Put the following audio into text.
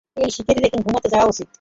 এই শিকারীর এখন ঘুমাতে যাওয়া উচিত।